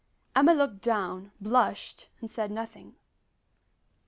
Emma looked down, blushed, and said nothing.